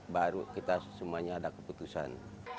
baru kita semuanya ada keputusan